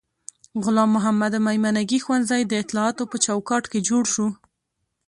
غلام محمد میمنګي ښوونځی د اطلاعاتو په چوکاټ کې جوړ شو.